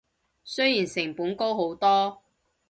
雖然成本高好多